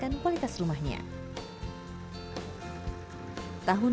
bantuan stimulan perumahan suadaya atau bsps